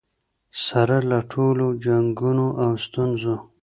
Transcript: سره له ټولو جنګونو او ستونزو.